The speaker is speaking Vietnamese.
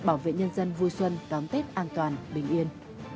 bảo vệ nhân dân vui xuân đón tết an toàn bình yên